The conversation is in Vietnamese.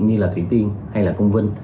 như là thủy tiên hay là công vân